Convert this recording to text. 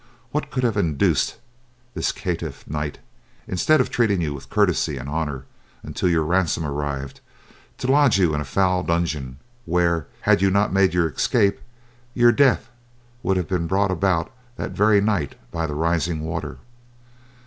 What could have induced this caitiff knight, instead of treating you with courtesy and honour until your ransom arrived, to lodge you in a foul dungeon, where, had you not made your escape, your death would have been brought about that very night by the rising water?